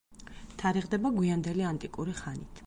თარიღდება გვიანდელი ანტიკური ხანით.